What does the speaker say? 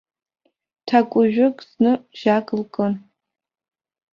Ҭакәыжәык зны жьак лкын.